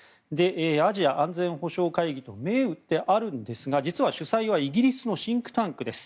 アジア安全保障会議と銘打ってあるんですが実は主催はイギリスのシンクタンクです。